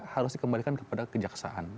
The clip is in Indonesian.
harus dikembalikan kepada kejaksaan